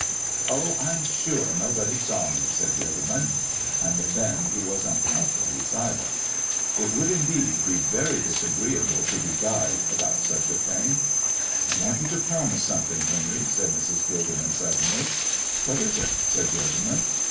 "Oh, I'm sure nobody saw me," said Gilderman, and then he was uncomfortably silent. It would, indeed, be very disagreeable to be guyed about such a thing. "I want you to promise something, Henry," said Mrs. Gilderman, suddenly. "What is it?" said Gilderman.